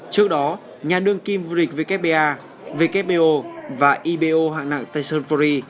trước đó nhà nương kim vũ rịch vkpa vkpo và ibo hạng nặng tyson fury